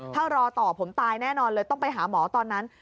ถ้ารอต่อผมตายแน่นอนเลยต้องไปหาหมอตอนนั้น